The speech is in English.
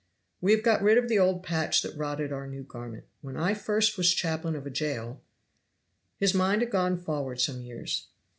"We have got rid of the old patch that rotted our new garment. When I first was chaplain of a jail " His mind had gone forward some years.